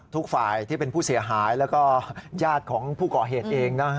ทุกฝ่ายที่เป็นผู้เสียหายแล้วก็ญาติของผู้ก่อเหตุเองนะฮะ